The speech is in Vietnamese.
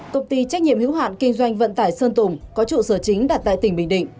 công ty trách nhiệm hữu hạn kinh doanh vận tải sơn tùng có trụ sở chính đặt tại tỉnh bình định